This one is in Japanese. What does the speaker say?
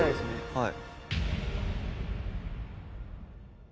「はい。